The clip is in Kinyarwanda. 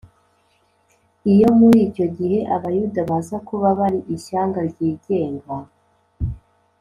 . Iyo muri icyo gihe Abayuda baza kuba bari ishyanga ryigenga